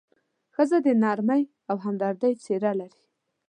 ښځه د نرمۍ او همدردۍ څېره لري.